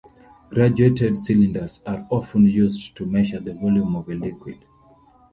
Graduated cylinders are often used to measure the volume of a liquid.